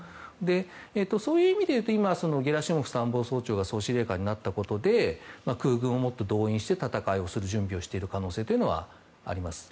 そういう意味で言うとゲラシモフさんが総司令官になったことで空軍をもって動員させてたたく準備をしている可能性はあります。